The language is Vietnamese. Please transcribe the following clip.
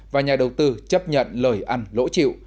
và nhà đầu tư chấp nhận lời ăn lỗ chịu